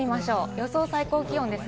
予想最高気温です。